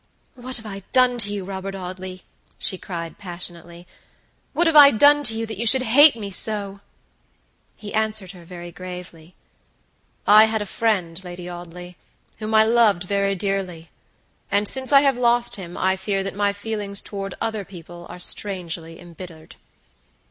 "What have I done to you, Robert Audley," she cried, passionately"what have I done to you that you should hate me so?" He answered her very gravely: "I had a friend, Lady Audley, whom I loved very dearly, and since I have lost him I fear that my feelings toward other people are strangely embittered."